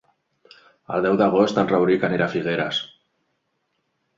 El deu d'agost en Rauric anirà a Figueres.